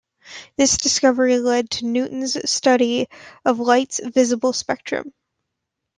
This discovery led to Newton's studies of light's visible spectrum.